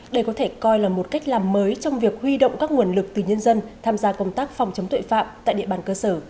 đây có thể coi là một cách làm mới trong việc huy động các nguồn lực từ nhân dân tham gia công tác phòng chống tội phạm tại địa bàn cơ sở